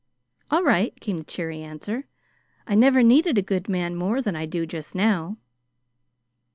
"All right," came the cheery answer. "I never needed a good man more than I do just now."